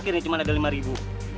akhirnya cuma ada lima ribu